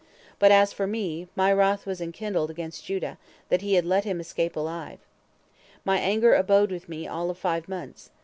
But as for me, my wrath was enkindled against Judah, that he had let him escape alive. My anger abode with me all of five months.